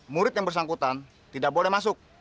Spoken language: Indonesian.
murid yang bersangkutan tidak boleh masuk